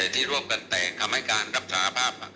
ที่ร่วมกันแต่งคำให้การรับสารภาพ